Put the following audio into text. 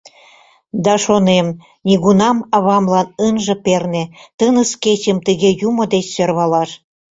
Да шонем: нигунам Авамлан ынже перне Тыныс кечым тыге Юмо деч сӧрвалаш!